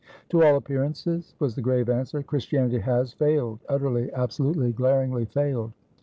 "To all appearances," was the grave answer, "Christianity has failedutterly, absolutely, glaringly failed.